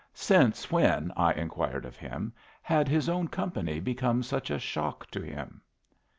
Since when, I inquired of him, had his own company become such a shock to him?